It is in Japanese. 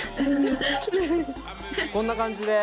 こんな感じで！